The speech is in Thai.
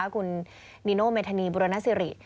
คุณนิโนเมธานีบุรณสิริ